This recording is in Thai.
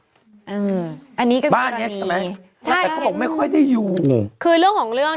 บ้านเนี่ยใช่ไหมถ้าก็ผมไม่ค่อยได้อยู่